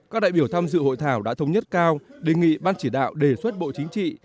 các đại biểu tham dự hội thảo đã thống nhất cao đề nghị ban chỉ đạo đề xuất bộ chính trị